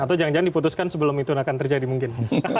atau jangan jangan diputuskan sebelum itu akan terjadi mungkin